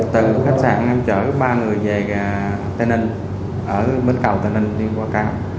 từ khách sạn em chở ba người về tây ninh ở bên cầu tây ninh đi qua cao